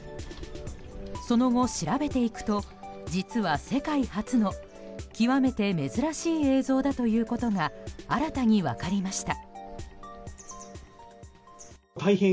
その後、調べていくと実は世界初の極めて珍しい映像だということが新たに分かりました。